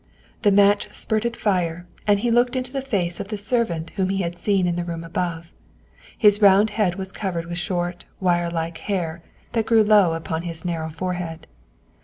The match spurted fire and he looked into the face of the servant whom he had seen in the room above. His round head was covered with short, wire like hair that grew low upon his narrow forehead.